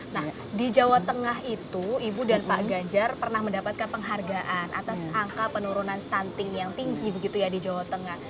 nah di jawa tengah itu ibu dan pak ganjar pernah mendapatkan penghargaan atas angka penurunan stunting yang tinggi begitu ya di jawa tengah